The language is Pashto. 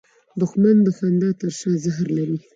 دښمن د خندا تر شا زهر لري